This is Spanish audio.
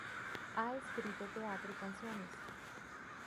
Ha escrito teatro y canciones.